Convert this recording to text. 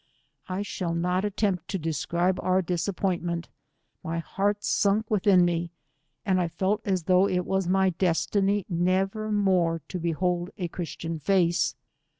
1 shall not attempt to describe •our disappointment— my beart sunk within me, and 101 I felt as thoagh it was my destiny never more to behold a Christian face.